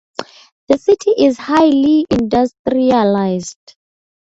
The city is highly industrialized.